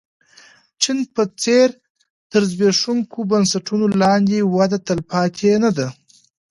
چین په څېر تر زبېښونکو بنسټونو لاندې وده تلپاتې نه ده.